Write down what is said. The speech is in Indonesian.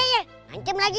ngancam lagi ngancam lagi